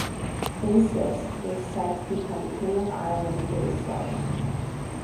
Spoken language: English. Thasus was said to become king of island Thasos.